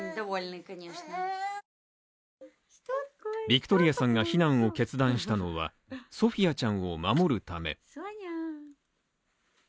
ビクトリアさんが避難を決断したのはソフィアちゃんを守るため。